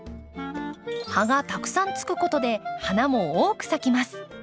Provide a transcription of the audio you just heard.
葉がたくさんつくことで花も多く咲きます。